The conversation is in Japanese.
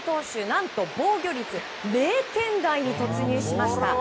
何と防御率０点台に突入しました。